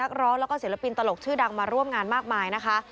นักร้องแล้วก็ศิลปินตลกชื่อดังมาร่วมงานมากมายนะคะ